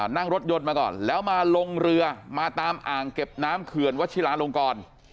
นั่งรถยนต์มาก่อนแล้วมาลงเรือมาตามอ่างเก็บน้ำเขื่อนวัชิลาลงกร